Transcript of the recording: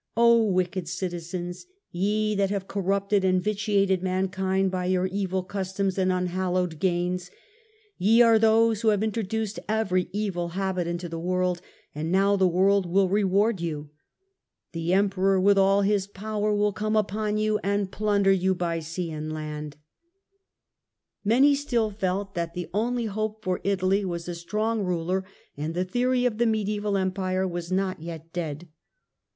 wicked citizens ! Ye that have corrupted and vitiated mankind by your evil customs and unhallowed gains ! Ye are those who have introduced every evil habit into the world, and now the world will reward you ! The Emperor with all his power will come upon you and plunder you by sea and land." Dante's De Many still felt that the only hope for Italy was a strong onaitiu. ^^Yqy^ and the theory of the Mediaeval Empire was not yet dead.